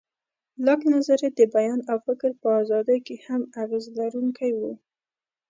لاک نظریه د بیان او فکر په ازادۍ کې هم اغېز لرونکی و.